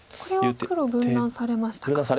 これは黒分断されましたか。